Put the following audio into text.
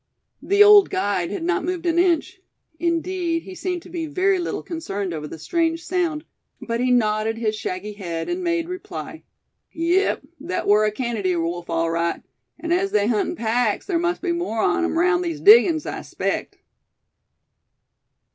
The old guide had not moved an inch; indeed, he seemed to be very little concerned over the strange sound; but he nodded his shaggy head, and made reply: "Yep, thet war a Canady wolf all right; an' as they hunt in packs thar must be more on 'em raound these diggin's I spect."